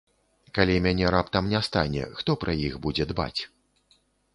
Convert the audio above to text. Калі мяне раптам не стане, хто пра іх будзе дбаць?